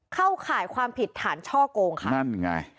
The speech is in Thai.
เข้าข่ายความผิดฐานช่อกงค่ะนั่นไง